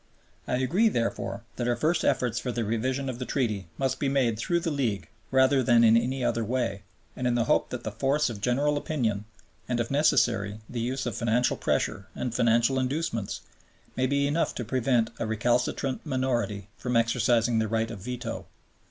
I agree, therefore, that our first efforts for the Revision of the Treaty must be made through the League rather than in any other way, in the hope that the force of general opinion and, if necessary, the use of financial pressure and financial inducements, may be enough to prevent a recalcitrant minority from exercising their right of veto.